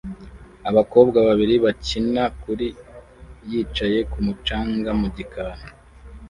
Abakobwa babiri bakina kuri yicaye kumu canga mu gikari